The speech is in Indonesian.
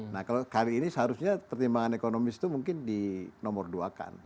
nah kalau kali ini seharusnya pertimbangan ekonomis itu mungkin di nomor dua kan